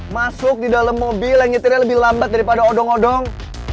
masuk di dalam mobil yang nyetirnya lebih lambat daripada odong odong